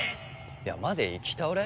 山で行き倒れ？